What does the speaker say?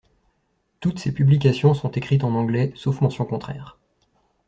Toutes ces publications sont écrites en anglais sauf mention contraire.